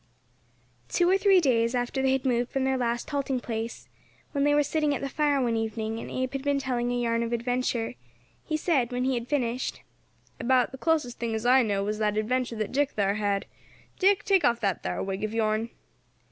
TWO or three days after they had moved from their last halting place, when they were sitting at the fire one evening, and Abe had been telling a yarn of adventure, he said, when he had finished: "About the closest thing as I know was that adventure that Dick thar had. Dick, take off that thar wig of yourn."